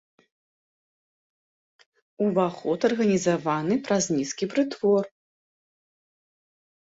Уваход арганізаваны праз нізкі прытвор.